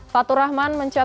fatur rahman mencetak gol